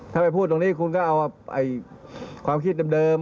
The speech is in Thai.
ถ้าไปพูดตรงนี้คุณก็เอาความคิดเดิม